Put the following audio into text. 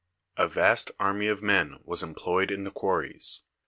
A vast army of men was employed in the quarries.